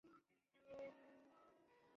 আমরা রেহানের জন্য অপেক্ষা কেন করছি না?